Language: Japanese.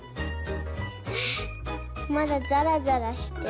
あまだざらざらしてる。